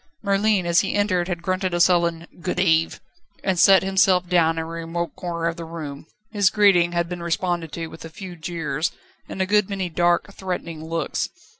Merlin as he entered had grunted a sullen "Good eve," and sat himself down in a remote corner of the room. His greeting had been responded to with a few jeers and a good many dark, threatening looks.